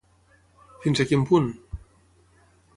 Fins a quin punt?